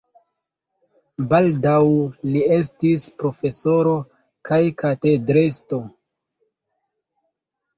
Baldaŭ li estis profesoro kaj katedrestro.